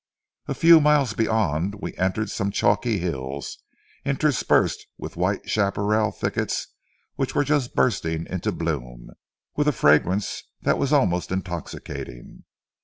A few miles beyond we entered some chalky hills, interspersed with white chaparral thickets which were just bursting into bloom, with a fragrance that was almost intoxicating.